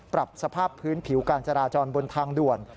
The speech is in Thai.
ปรับสภาพพื้นผิวการจราจรบนทางด่วน